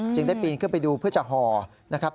ได้ปีนขึ้นไปดูเพื่อจะห่อนะครับ